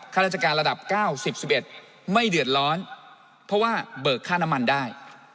ข้าราชการระดับ๙๐๑๑ไม่เดือดร้อนเพราะว่าเบิกค่าน้ำมันได้